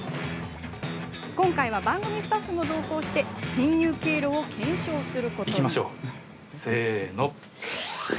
今回は、番組スタッフも同行して侵入経路を検証することに。